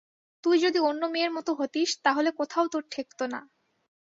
তুই যদি অন্য মেয়ের মতো হতিস তা হলে কোথাও তোর ঠেকত না।